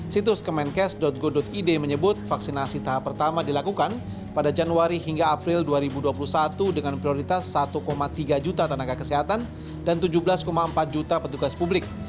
situs kemenkes go id menyebut vaksinasi tahap pertama dilakukan pada januari hingga april dua ribu dua puluh satu dengan prioritas satu tiga juta tenaga kesehatan dan tujuh belas empat juta petugas publik